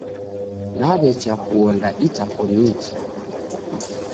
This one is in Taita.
Naw'echa kuonda itakoniji.